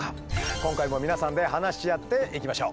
今回も皆さんで話し合っていきましょう。